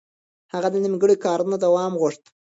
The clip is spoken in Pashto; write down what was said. هغه د نيمګړو کارونو دوام غوښت.